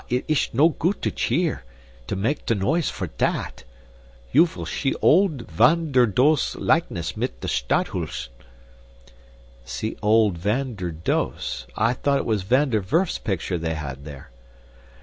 ya it ish no goot to sheer to make te noise for dat. You vill shee old Van der Does's likeness mit te Stadhuis." "See old Van der Does? I thought it was Van der Werf's picture they had there."